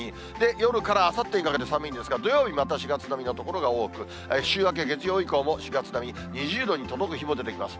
夜からあさってにかけて寒いんですが、土曜日また４月並みの所が多く、週明け、月曜以降も４月並み、２０度に届く日も出てきます。